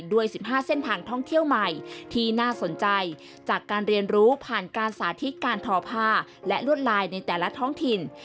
ด้วย๑๕เส้นทางท่องเที่ยวใหม่ที่น่าสนใจจากการเรียนรู้ผ่านการสาธิตการทอผ้าและลวดลายในแต่ละท้องถิ่น